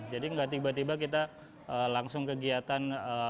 jadi nggak tiba tiba kita langsung kegiatan